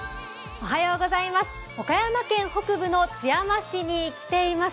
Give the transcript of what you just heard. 岡山県北部の津山市に来ています。